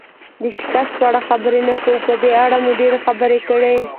د شکست په اړه خبرې نه کوو، په دې اړه مو ډېرې خبرې کړي.